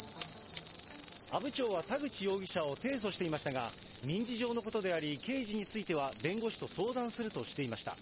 阿武町は、田口容疑者を提訴していましたが、民事上のことであり、刑事については、弁護士と相談するとしていました。